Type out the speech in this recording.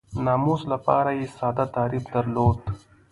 ناموس لپاره یې ساده تعریف درلود.